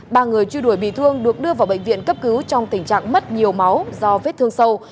ba người truy đuổi bị thương được đưa vào bệnh viện cấp cứu trong tình trạng mất nhiều máu do vết thương sâu